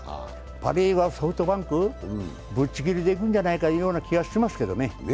パ・リーグはソフトバンクぶっちぎりでいくんじゃないかいうような気がしますけどね。